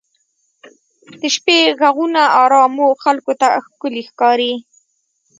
د شپې ږغونه ارامو خلکو ته ښکلي ښکاري.